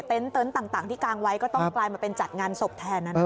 เต็นต์ต่างที่กางไว้ก็ต้องกลายมาเป็นจัดงานศพแทน